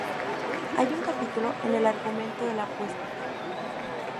Hay un capítulo en el argumento de la apuesta.